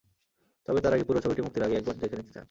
তবে, তাঁর আগে পুরো ছবিটি মুক্তির আগেই একবার দেখে নিতে চান।